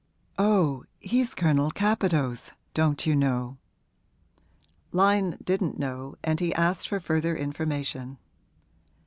'Oh, he's Colonel Capadose, don't you know?' Lyon didn't know and he asked for further information.